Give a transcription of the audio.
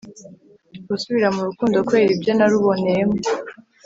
gusubira mu rukundo kubera ibyo naruboneyemo